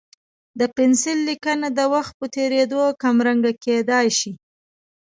د پنسل لیکنه د وخت په تېرېدو کمرنګه کېدای شي.